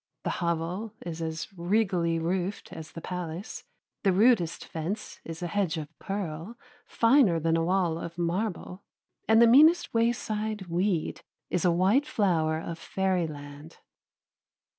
The hovel is as regally roofed as the palace, the rudest fence is a hedge of pearl, finer than a wall of marble, and the meanest wayside weed is a white flower of fairyland.